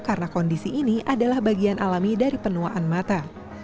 karena kondisi ini adalah bagian alami dari penuaan mata